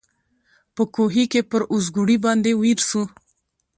په کوهي کي پر اوزګړي باندي ویر سو